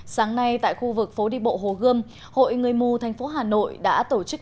sáng nay tại khu vực phố đi bộ hồ gươm hội người mù thành phố hà nội đã tổ chức